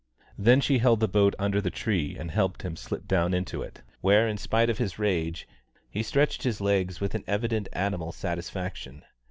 Then she held the boat under the tree and helped him to slip down into it, where, in spite of his rage, he stretched his legs with an evident animal satisfaction.